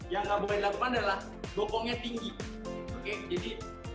yang gak boleh dilakukan adalah gokongnya tinggi oke jadi